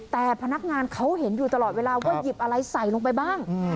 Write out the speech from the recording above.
แต่พนักงานเขาเห็นอยู่ตลอดเวลาว่าหยิบอะไรใส่ลงไปบ้าง